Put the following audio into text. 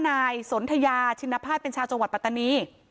นายสนทยาชินภาษณเป็นชาวจังหวัดปัตตานี